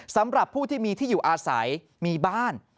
สำหรับผู้ที่มีที่อยู่อาศัยมีบ้าน